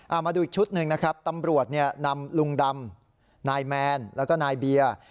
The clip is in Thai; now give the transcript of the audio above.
เอามาดูอีกชุดหนึ่งนะครับตำรวจเนี่ยนำลุงดำนายแมนแล้วก็นายเบียร์